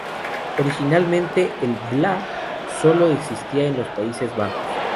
Originalmente el "vla" solo existía en los Países Bajos.